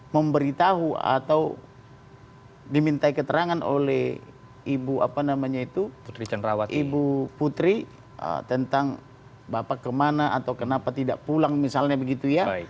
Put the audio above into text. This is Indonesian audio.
memberitahu atau diminta keterangan oleh ibu putri tentang bapak kemana atau kenapa tidak pulang misalnya begitu ya